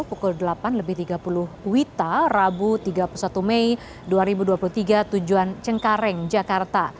pukul delapan tiga puluh wita rabu tiga puluh satu mei dua ribu dua puluh tiga tujuan cengkareng jakarta